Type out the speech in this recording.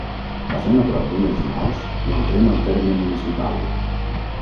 Passem a prop d'unes naus i entrem al terme municipal